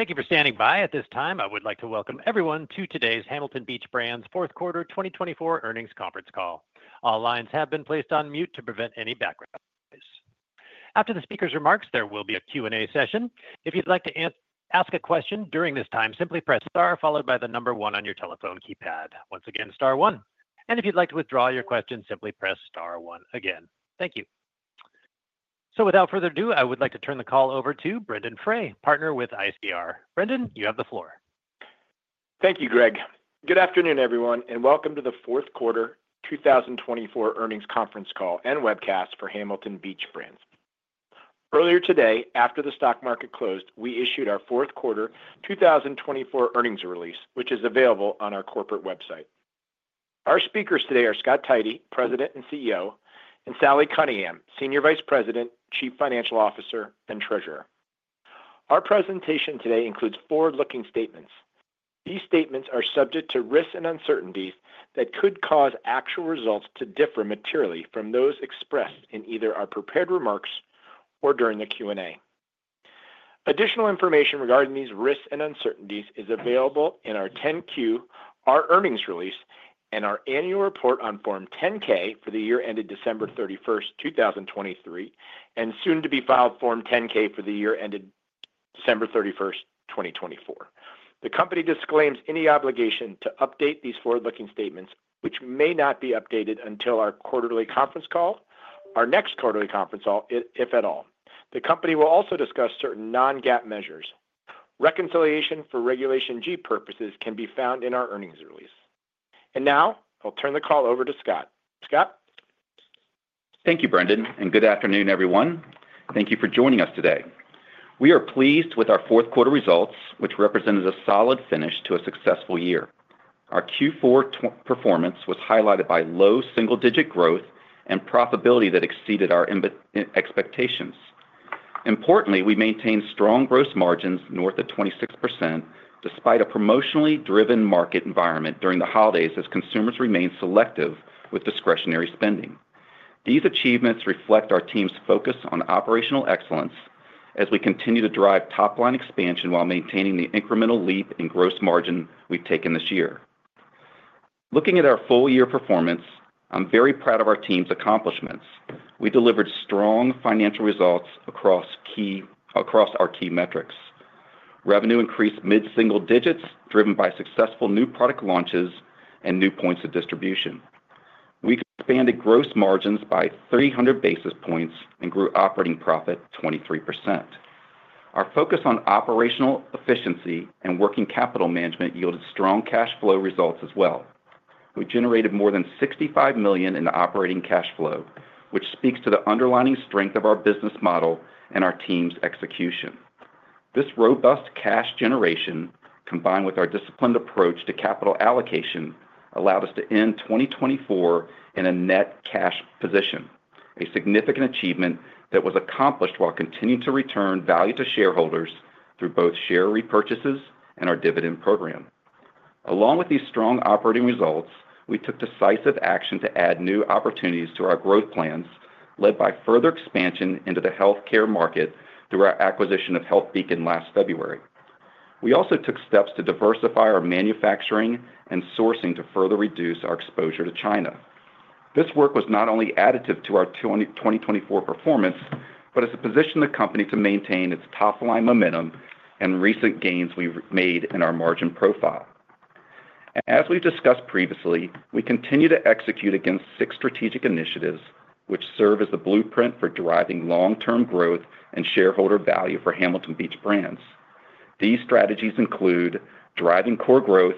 Thank you for standing by. At this time, I would like to welcome everyone to today's Hamilton Beach Brands Fourth Quarter 2024 Earnings Conference Call. All lines have been placed on mute to prevent any background noise. After the speaker's remarks, there will be a Q&A session. If you'd like to ask a question during this time, simply press star followed by the number one on your telephone keypad. Once again, star one. If you'd like to withdraw your question, simply press star one again. Thank you. Without further ado, I would like to turn the call over to Brendan Frey, partner with ICR. Brendan, you have the floor. Thank you, Greg. Good afternoon, everyone, and welcome to the Fourth Quarter 2024 Earnings Conference Call and Webcast for Hamilton Beach Brands. Earlier today, after the stock market closed, we issued our Fourth Quarter 2024 earnings release, which is available on our corporate website. Our speakers today are Scott Tidey, President and CEO, and Sally Cunningham, Senior Vice President, Chief Financial Officer, and Treasurer. Our presentation today includes forward-looking statements. These statements are subject to risks and uncertainties that could cause actual results to differ materially from those expressed in either our prepared remarks or during the Q&A. Additional information regarding these risks and uncertainties is available in our 10-Q, our earnings release, and our annual report on Form 10-K for the year ended December 31, 2023, and soon-to-be-filed Form 10-K for the year ended December 31, 2024. The company disclaims any obligation to update these forward-looking statements, which may not be updated until our quarterly conference call, our next quarterly conference call, if at all. The company will also discuss certain non-GAAP measures. Reconciliation for Regulation G purposes can be found in our earnings release. Now, I'll turn the call over to Scott. Scott. Thank you, Brendan, and good afternoon, everyone. Thank you for joining us today. We are pleased with our fourth quarter results, which represented a solid finish to a successful year. Our Q4 performance was highlighted by low single-digit growth and profitability that exceeded our expectations. Importantly, we maintained strong gross margins north of 26% despite a promotionally driven market environment during the holidays as consumers remained selective with discretionary spending. These achievements reflect our team's focus on operational excellence as we continue to drive top-line expansion while maintaining the incremental leap in gross margin we've taken this year. Looking at our full-year performance, I'm very proud of our team's accomplishments. We delivered strong financial results across our key metrics. Revenue increased mid-single digits, driven by successful new product launches and new points of distribution. We expanded gross margins by 300 basis points and grew operating profit 23%. Our focus on operational efficiency and working capital management yielded strong cash flow results as well. We generated more than $65 million in operating cash flow, which speaks to the underlying strength of our business model and our team's execution. This robust cash generation, combined with our disciplined approach to capital allocation, allowed us to end 2024 in a net cash position, a significant achievement that was accomplished while continuing to return value to shareholders through both share repurchases and our dividend program. Along with these strong operating results, we took decisive action to add new opportunities to our growth plans, led by further expansion into the healthcare market through our acquisition of HealthBeacon last February. We also took steps to diversify our manufacturing and sourcing to further reduce our exposure to China. This work was not only additive to our 2024 performance, but has positioned the company to maintain its top-line momentum and recent gains we've made in our margin profile. As we've discussed previously, we continue to execute against six strategic initiatives, which serve as the blueprint for driving long-term growth and shareholder value for Hamilton Beach Brands. These strategies include driving core growth,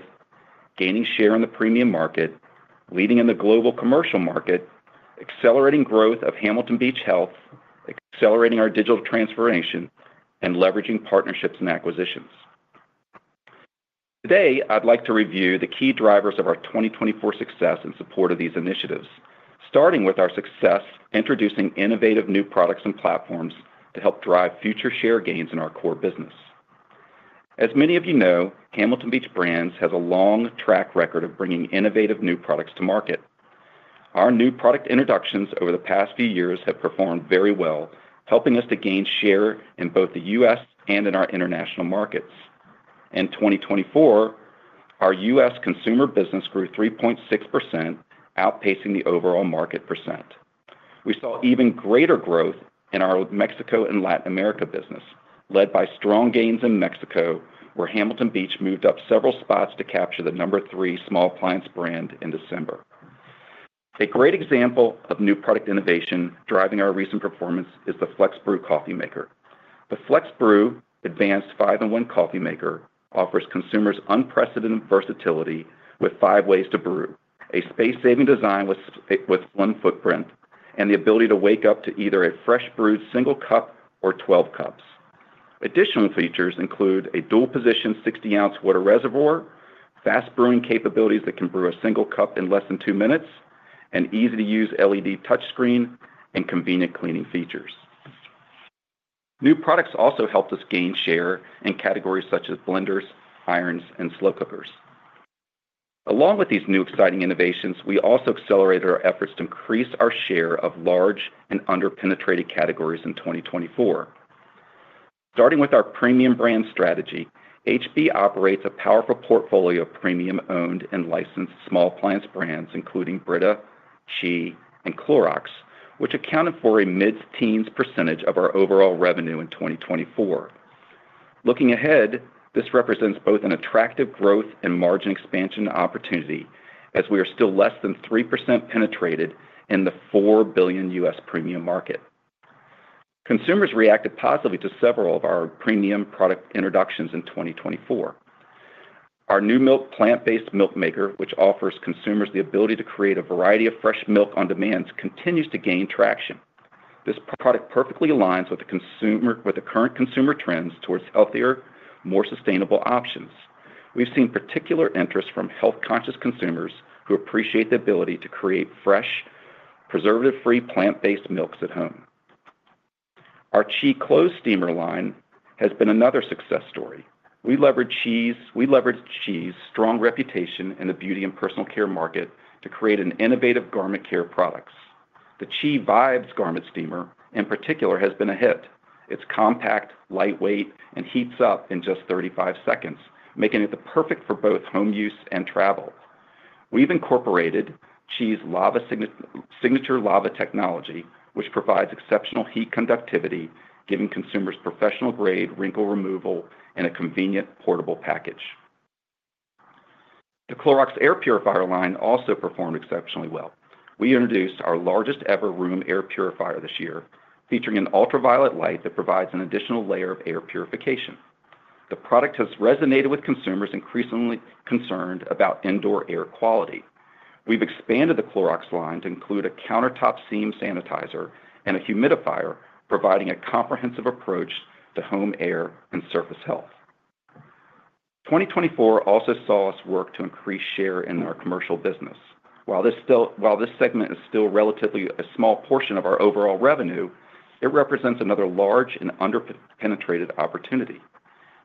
gaining share in the premium market, leading in the global commercial market, accelerating growth of Hamilton Beach Health, accelerating our digital transformation, and leveraging partnerships and acquisitions. Today, I'd like to review the key drivers of our 2024 success in support of these initiatives, starting with our success introducing innovative new products and platforms to help drive future share gains in our core business. As many of you know, Hamilton Beach Brands has a long track record of bringing innovative new products to market. Our new product introductions over the past few years have performed very well, helping us to gain share in both the U.S. and in our international markets. In 2024, our U.S. consumer business grew 3.6%, outpacing the overall market percent. We saw even greater growth in our Mexico and Latin America business, led by strong gains in Mexico, where Hamilton Beach moved up several spots to capture the number three small appliance brand in December. A great example of new product innovation driving our recent performance is the FlexBrew coffee maker. The FlexBrew Advanced 5-in-1 Coffee Maker offers consumers unprecedented versatility with five ways to brew, a space-saving design with one footprint, and the ability to wake up to either a fresh brewed single cup or 12 cups. Additional features include a dual-position 60-ounce water reservoir, fast brewing capabilities that can brew a single cup in less than two minutes, an easy-to-use LED touchscreen, and convenient cleaning features. New products also helped us gain share in categories such as blenders, irons, and slow cookers. Along with these new exciting innovations, we also accelerated our efforts to increase our share of large and under-penetrated categories in 2024. Starting with our premium brand strategy, Hamilton Beach Brands operates a powerful portfolio of premium-owned and licensed small appliance brands, including Brita, CHI, and Clorox, which accounted for a mid-teens percent of our overall revenue in 2024. Looking ahead, this represents both an attractive growth and margin expansion opportunity, as we are still less than 3% penetrated in the $4 billion U.S. premium market. Consumers reacted positively to several of our premium product introductions in 2024. Our Numilk plant-based milk maker, which offers consumers the ability to create a variety of fresh milk on demand, continues to gain traction. This product perfectly aligns with the current consumer trends towards healthier, more sustainable options. We've seen particular interest from health-conscious consumers who appreciate the ability to create fresh, preservative-free plant-based milks at home. Our CHI garment steamer line has been another success story. We leverage CHI's strong reputation in the beauty and personal care market to create innovative garment care products. The CHI Vibes Garment Steamer, in particular, has been a hit. It's compact, lightweight, and heats up in just 35 seconds, making it perfect for both home use and travel. We've incorporated CHI's signature lava technology, which provides exceptional heat conductivity, giving consumers professional-grade wrinkle removal in a convenient, portable package. The Clorox Air Purifier line also performed exceptionally well. We introduced our largest-ever room air purifier this year, featuring an ultraviolet light that provides an additional layer of air purification. The product has resonated with consumers increasingly concerned about indoor air quality. We've expanded the Clorox line to include a countertop seam sanitizer and a humidifier, providing a comprehensive approach to home air and surface health. 2024 also saw us work to increase share in our commercial business. While this segment is still relatively a small portion of our overall revenue, it represents another large and under-penetrated opportunity.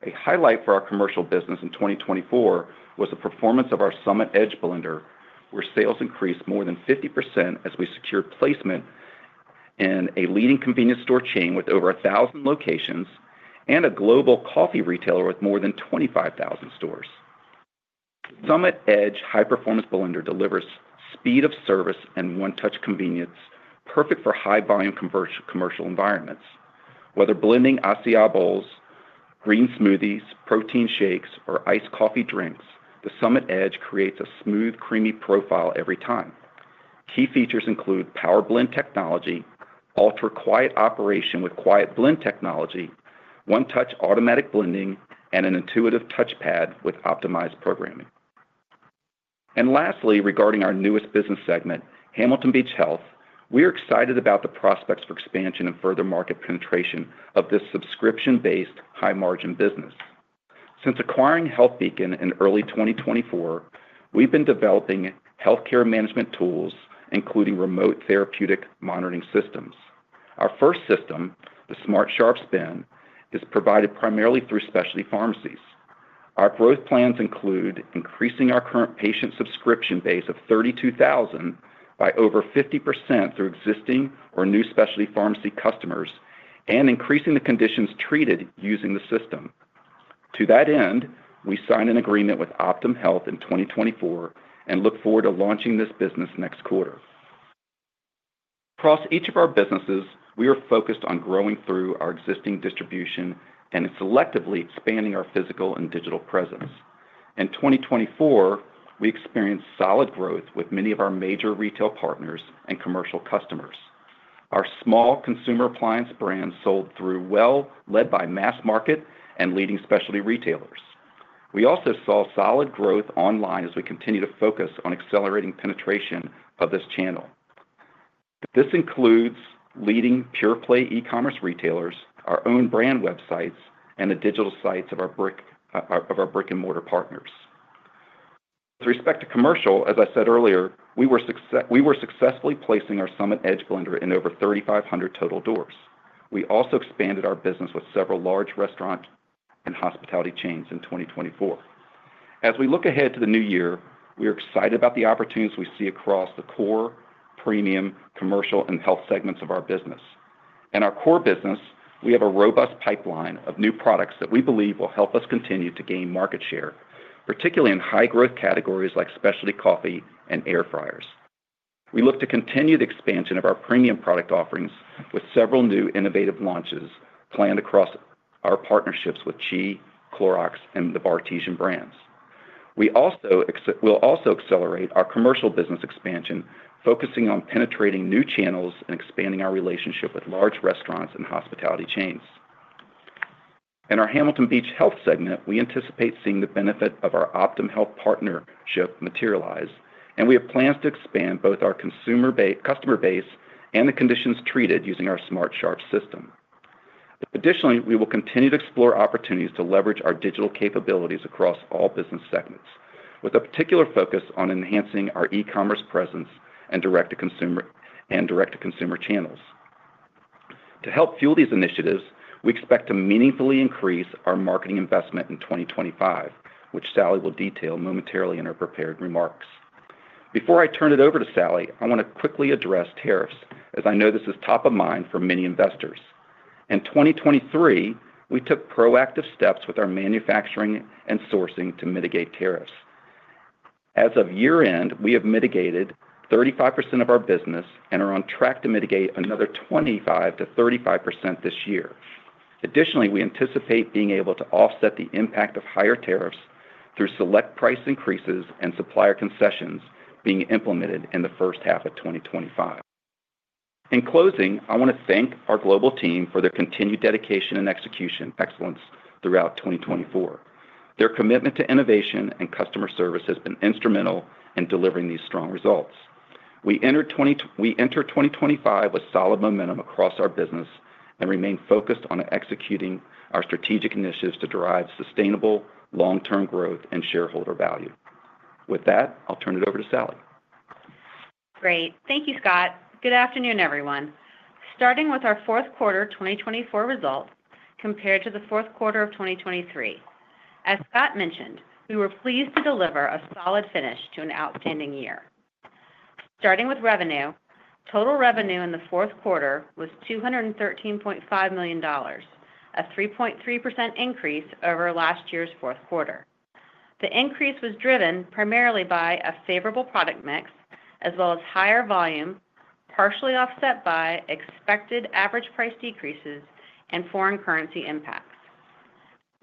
A highlight for our commercial business in 2024 was the performance of our Summit Edge blender, where sales increased more than 50% as we secured placement in a leading convenience store chain with over 1,000 locations and a global coffee retailer with more than 25,000 stores. The Summit Edge high-performance blender delivers speed of service and one-touch convenience, perfect for high-volume commercial environments. Whether blending açaí bowls, green smoothies, protein shakes, or iced coffee drinks, the Summit Edge creates a smooth, creamy profile every time. Key features include power blend technology, ultra-quiet operation with Quiet Blend Technology, one-touch automatic blending, and an intuitive touchpad with optimized programming. Lastly, regarding our newest business segment, Hamilton Beach Health, we are excited about the prospects for expansion and further market penetration of this subscription-based high-margin business. Since acquiring HealthBeacon in early 2024, we've been developing healthcare management tools, including remote therapeutic monitoring systems. Our first system, the Smart Sharps Bin, is provided primarily through specialty pharmacies. Our growth plans include increasing our current patient subscription base of 32,000 by over 50% through existing or new specialty pharmacy customers and increasing the conditions treated using the system. To that end, we signed an agreement with Optum Health in 2024 and look forward to launching this business next quarter. Across each of our businesses, we are focused on growing through our existing distribution and selectively expanding our physical and digital presence. In 2024, we experienced solid growth with many of our major retail partners and commercial customers. Our small consumer appliance brands sold through well-led by mass market and leading specialty retailers. We also saw solid growth online as we continue to focus on accelerating penetration of this channel. This includes leading pure-play e-commerce retailers, our own brand websites, and the digital sites of our brick-and-mortar partners. With respect to commercial, as I said earlier, we were successfully placing our Summit Edge blender in over 3,500 total doors. We also expanded our business with several large restaurant and hospitality chains in 2024. As we look ahead to the new year, we are excited about the opportunities we see across the core, premium, commercial, and health segments of our business. In our core business, we have a robust pipeline of new products that we believe will help us continue to gain market share, particularly in high-growth categories like specialty coffee and air fryers. We look to continue the expansion of our premium product offerings with several new innovative launches planned across our partnerships with CHI, Clorox, and the Bartesian brands. We will also accelerate our commercial business expansion, focusing on penetrating new channels and expanding our relationship with large restaurants and hospitality chains. In our Hamilton Beach Health segment, we anticipate seeing the benefit of our Optum Health partnership materialize, and we have plans to expand both our customer base and the conditions treated using our Smart Sharps system. Additionally, we will continue to explore opportunities to leverage our digital capabilities across all business segments, with a particular focus on enhancing our e-commerce presence and direct-to-consumer channels. To help fuel these initiatives, we expect to meaningfully increase our marketing investment in 2025, which Sally will detail momentarily in her prepared remarks. Before I turn it over to Sally, I want to quickly address tariffs, as I know this is top of mind for many investors. In 2023, we took proactive steps with our manufacturing and sourcing to mitigate tariffs. As of year-end, we have mitigated 35% of our business and are on track to mitigate another 25%-35% this year. Additionally, we anticipate being able to offset the impact of higher tariffs through select price increases and supplier concessions being implemented in the first half of 2025. In closing, I want to thank our global team for their continued dedication and execution excellence throughout 2024. Their commitment to innovation and customer service has been instrumental in delivering these strong results. We enter 2025 with solid momentum across our business and remain focused on executing our strategic initiatives to drive sustainable long-term growth and shareholder value. With that, I'll turn it over to Sally. Great. Thank you, Scott. Good afternoon, everyone. Starting with our fourth quarter 2024 results compared to the fourth quarter of 2023. As Scott mentioned, we were pleased to deliver a solid finish to an outstanding year. Starting with revenue, total revenue in the fourth quarter was $213.5 million, a 3.3% increase over last year's fourth quarter. The increase was driven primarily by a favorable product mix, as well as higher volume, partially offset by expected average price decreases and foreign currency impacts.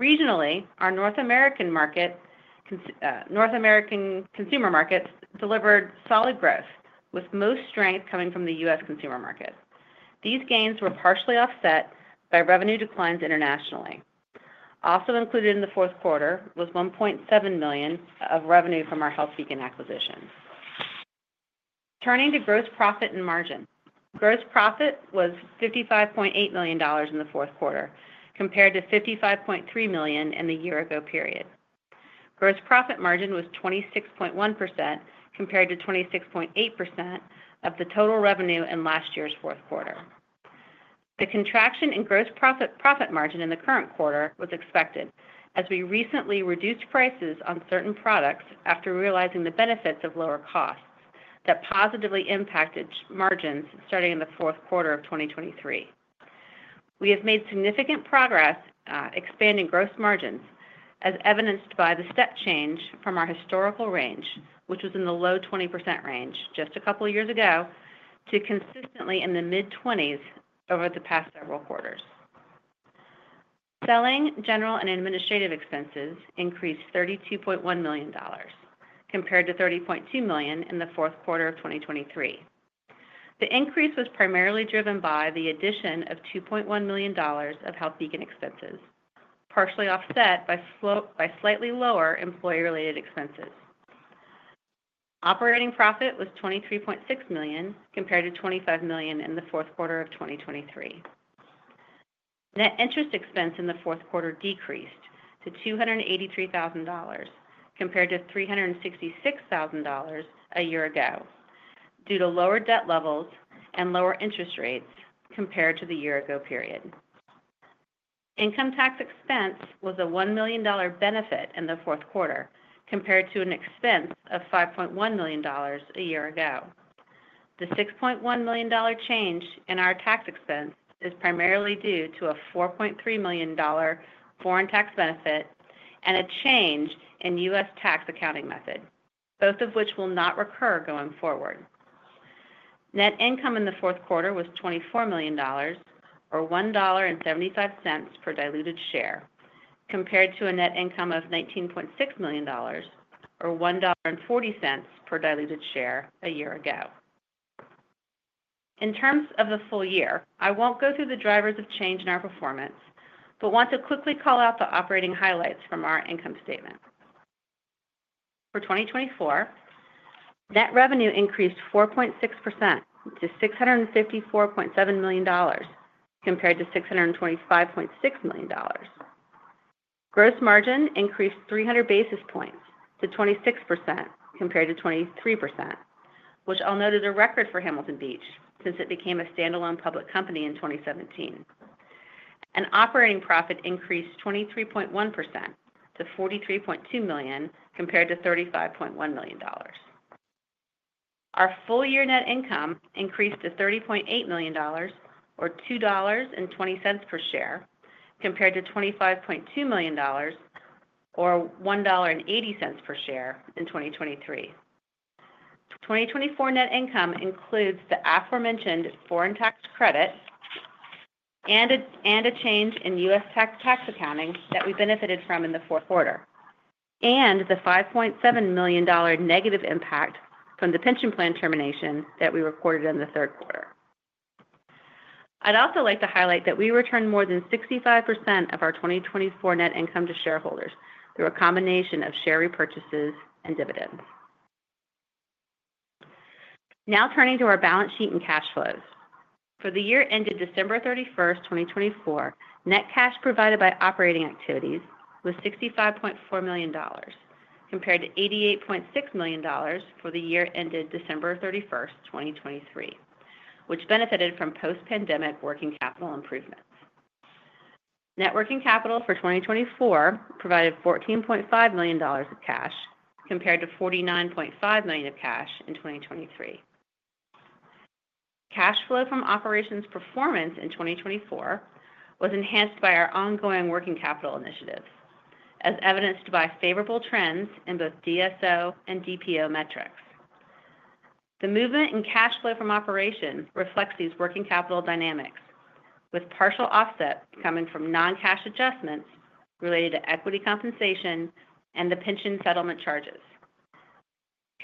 Regionally, our North American consumer markets delivered solid growth, with most strength coming from the U.S. consumer market. These gains were partially offset by revenue declines internationally. Also included in the fourth quarter was $1.7 million of revenue from our HealthBeacon acquisition. Turning to gross profit and margin, gross profit was $55.8 million in the fourth quarter, compared to $55.3 million in the year-ago period. Gross profit margin was 26.1%, compared to 26.8% of the total revenue in last year's fourth quarter. The contraction in gross profit margin in the current quarter was expected, as we recently reduced prices on certain products after realizing the benefits of lower costs that positively impacted margins starting in the fourth quarter of 2023. We have made significant progress expanding gross margins, as evidenced by the step change from our historical range, which was in the low 20% range just a couple of years ago, to consistently in the mid-20% over the past several quarters. Selling, general, and administrative expenses increased $32.1 million, compared to $30.2 million in the fourth quarter of 2023. The increase was primarily driven by the addition of $2.1 million of HealthBeacon expenses, partially offset by slightly lower employee-related expenses. Operating profit was $23.6 million, compared to $25 million in the fourth quarter of 2023. Net interest expense in the fourth quarter decreased to $283,000, compared to $366,000 a year ago due to lower debt levels and lower interest rates compared to the year-ago period. Income tax expense was a $1 million benefit in the fourth quarter, compared to an expense of $5.1 million a year ago. The $6.1 million change in our tax expense is primarily due to a $4.3 million foreign tax benefit and a change in U.S. tax accounting method, both of which will not recur going forward. Net income in the fourth quarter was $24 million, or $1.75 per diluted share, compared to a net income of $19.6 million, or $1.40 per diluted share a year ago. In terms of the full year, I won't go through the drivers of change in our performance, but want to quickly call out the operating highlights from our income statement. For 2024, net revenue increased 4.6% to $654.7 million, compared to $625.6 million. Gross margin increased 300 basis points to 26%, compared to 23%, which I'll note as a record for Hamilton Beach Brands, since it became a standalone public company in 2017. Operating profit increased 23.1% to $43.2 million, compared to $35.1 million. Our full-year net income increased to $30.8 million, or $2.20 per share, compared to $25.2 million, or $1.80 per share in 2023. 2024 net income includes the aforementioned foreign tax credit and a change in U.S. tax accounting that we benefited from in the fourth quarter, and the $5.7 million negative impact from the pension plan termination that we recorded in the third quarter. I'd also like to highlight that we returned more than 65% of our 2024 net income to shareholders through a combination of share repurchases and dividends. Now turning to our balance sheet and cash flows. For the year ended December 31, 2024, net cash provided by operating activities was $65.4 million, compared to $88.6 million for the year ended December 31, 2023, which benefited from post-pandemic working capital improvements. Net working capital for 2024 provided $14.5 million of cash, compared to $49.5 million of cash in 2023. Cash flow from operations performance in 2024 was enhanced by our ongoing working capital initiatives, as evidenced by favorable trends in both DSO and DPO metrics. The movement in cash flow from operations reflects these working capital dynamics, with partial offset coming from non-cash adjustments related to equity compensation and the pension settlement charges.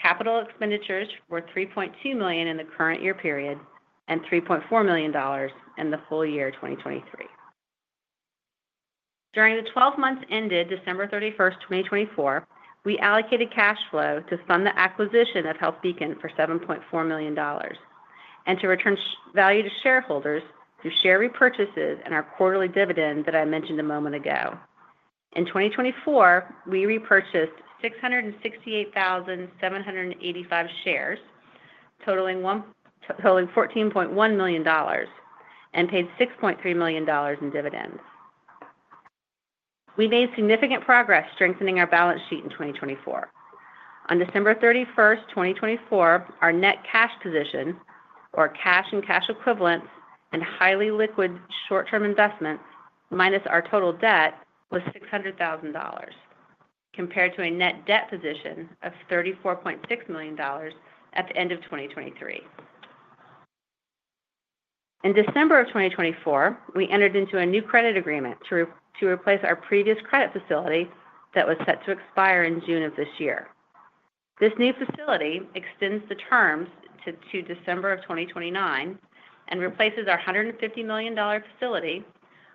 Capital expenditures were $3.2 million in the current year period and $3.4 million in the full year 2023. During the 12 months ended December 31, 2024, we allocated cash flow to fund the acquisition of HealthBeacon for $7.4 million and to return value to shareholders through share repurchases and our quarterly dividend that I mentioned a moment ago. In 2024, we repurchased 668,785 shares, totaling $14.1 million, and paid $6.3 million in dividends. We made significant progress strengthening our balance sheet in 2024. On December 31, 2024, our net cash position, or cash and cash equivalents and highly liquid short-term investments, minus our total debt, was $600,000, compared to a net debt position of $34.6 million at the end of 2023. In December of 2024, we entered into a new credit agreement to replace our previous credit facility that was set to expire in June of this year. This new facility extends the terms to December of 2029 and replaces our $150 million facility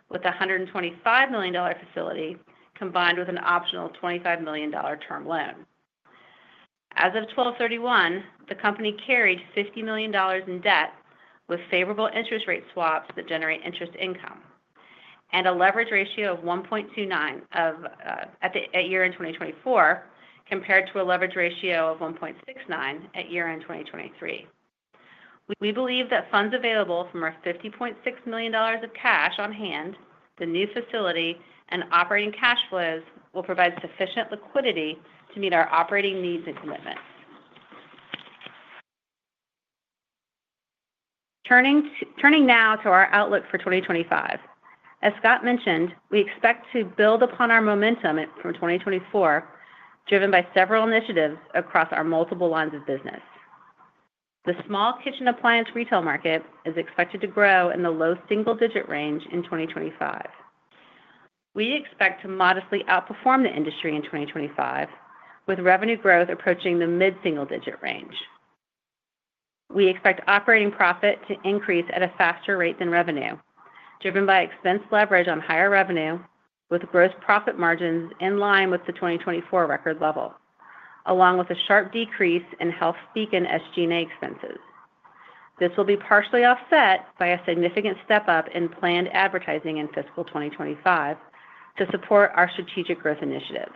with a $125 million facility combined with an optional $25 million term loan. As of 12/31, the company carried $50 million in debt with favorable interest rate swaps that generate interest income and a leverage ratio of 1.29 at year-end 2024, compared to a leverage ratio of 1.69 at year-end 2023. We believe that funds available from our $50.6 million of cash on hand, the new facility, and operating cash flows will provide sufficient liquidity to meet our operating needs and commitments. Turning now to our outlook for 2025. As Scott mentioned, we expect to build upon our momentum from 2024, driven by several initiatives across our multiple lines of business. The small kitchen appliance retail market is expected to grow in the low single-digit range in 2025. We expect to modestly outperform the industry in 2025, with revenue growth approaching the mid-single-digit range. We expect operating profit to increase at a faster rate than revenue, driven by expense leverage on higher revenue, with gross profit margins in line with the 2024 record level, along with a sharp decrease in HealthBeacon SG&A expenses. This will be partially offset by a significant step-up in planned advertising in fiscal 2025 to support our strategic growth initiatives.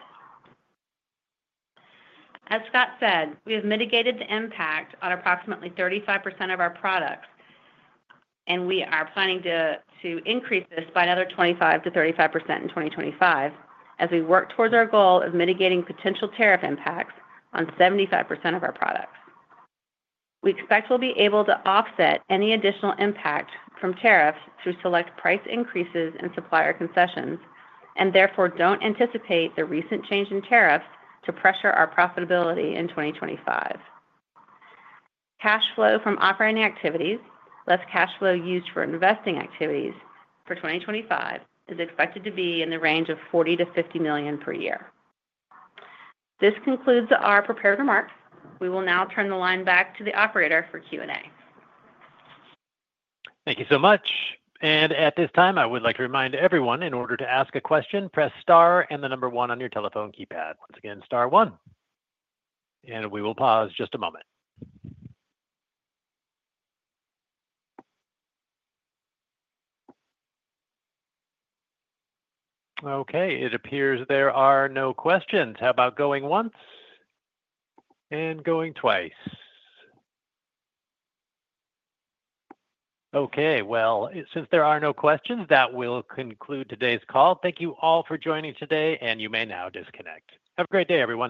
As Scott said, we have mitigated the impact on approximately 35% of our products, and we are planning to increase this by another 25%-35% in 2025, as we work towards our goal of mitigating potential tariff impacts on 75% of our products. We expect we'll be able to offset any additional impact from tariffs through select price increases and supplier concessions, and therefore don't anticipate the recent change in tariffs to pressure our profitability in 2025. Cash flow from operating activities, less cash flow used for investing activities for 2025, is expected to be in the range of $40 million-$50 million per year. This concludes our prepared remarks. We will now turn the line back to the operator for Q&A. Thank you so much. At this time, I would like to remind everyone, in order to ask a question, press Star and the number one on your telephone keypad. Once again, Star one. We will pause just a moment. Okay. It appears there are no questions. How about going once and going twice? Okay. Since there are no questions, that will conclude today's call. Thank you all for joining today, and you may now disconnect. Have a great day, everyone.